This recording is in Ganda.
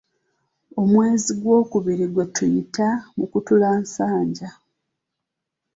Omwezi ogw'okubiri, gwe tuyita, mukutulansanja.